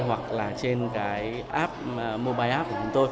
hoặc là trên cái app mobile app của chúng tôi